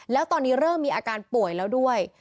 แล้วตอนนี้เริ่มมีอาการป่วยแล้วด้วย